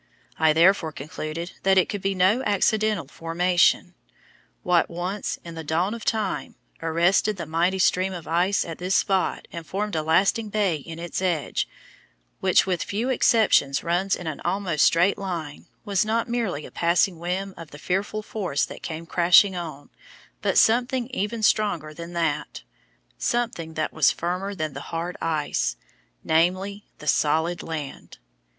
I therefore concluded that it could be no accidental formation. What, once, in the dawn of time, arrested the mighty stream of ice at this spot and formed a lasting bay in its edge, which with few exceptions runs in an almost straight line, was not merely a passing whim of the fearful force that came crashing on, but something even stronger than that something that was firmer than the hard ice namely, the solid land.